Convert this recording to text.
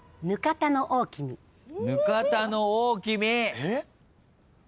えっ！？